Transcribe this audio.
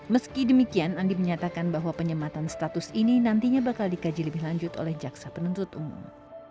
meski demikian andi menyatakan bahwa penyematan status ini nantinya bakal dikaji lebih lanjut oleh jaksa penuntut umum